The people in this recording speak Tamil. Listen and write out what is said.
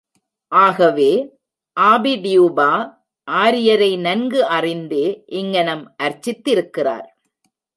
ஆகவே ஆபி டியூபா, ஆரியரை நன்கு அறிந்தே இங்ஙனம் அர்ச்சித்திருக்கிறார்.